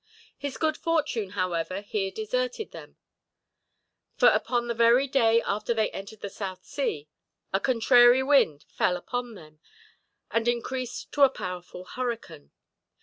His good fortune, however, here deserted them; for upon the very day after they entered the South Sea, a contrary wind fell upon them, and increased to a powerful hurricane.